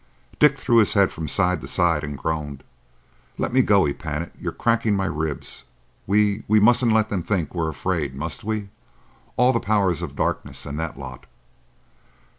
Dick threw his head from side to side and groaned. "Let me go," he panted. "You're cracking my ribs. We we mustn't let them think we're afraid, must we,—all the powers of darkness and that lot?"